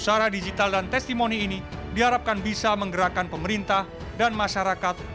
usaha digital dan testimoni ini diharapkan bisa menggerakkan pemerintah dan masyarakat